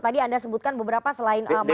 tadi anda sebutkan beberapa selain masalah